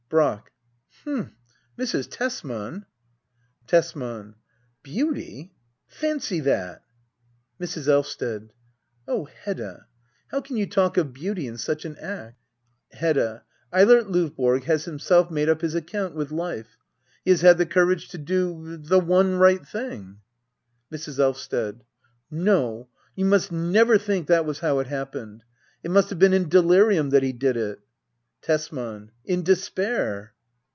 Brack. H'm, Mrs. Tesman Tesman. Beauty ! Fancy that ! Mrs. Elvsted. Oh, Hedda^ how can you talk of beauty in such an act ! Hedda. Eilert Lovborg has himself made up his account with life. He has had the courage to do— the one right thing. Mrs. Elvsted. No, you must never think that was how it hap pened ! It must have been in delirium that he did it. Tesman. In despair